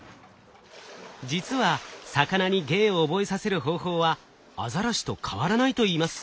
実は魚に芸を覚えさせる方法はアザラシと変わらないといいます。